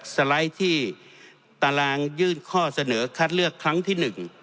สไลด์ที่ตารางยื่นข้อเสนอคัดเลือกครั้งที่๑